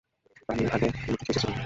পানির আগে তিনি কিছুই সৃষ্টি করেননি।